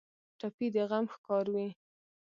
ټپي د غم ښکار وي.